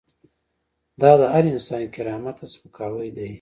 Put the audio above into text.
دا د هر انسان کرامت ته سپکاوی دی.